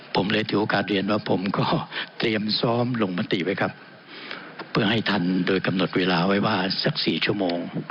ผมเลยถือโอกาสเรียนว่าผมก็เตรียมซ้อมลงมติไว้ครับเพื่อให้ทันโดยกำหนดเวลาไว้ว่าสักสี่ชั่วโมง